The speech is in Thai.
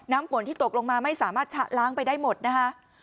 ฝนที่ตกลงมาไม่สามารถชะล้างไปได้หมดนะคะ